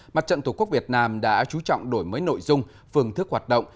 mặt trận tổ quốc việt nam đã chú trọng đổi mới nội dung phương thức hoạt động